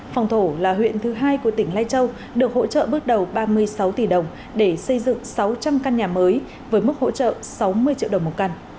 phòng thủ là huyện thứ hai của tỉnh lai châu được hỗ trợ bước đầu ba mươi sáu tỷ đồng để xây dựng sáu trăm linh căn nhà mới với mức hỗ trợ sáu mươi triệu đồng một căn